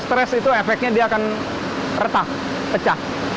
setres itu efeknya dia akan retak pecah